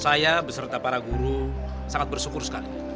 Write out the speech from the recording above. saya beserta para guru sangat bersyukur sekali